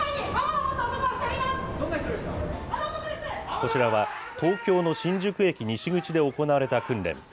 こちらは東京の新宿駅西口で行われた訓練。